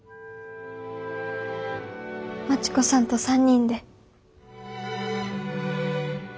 真知子さんと３人で。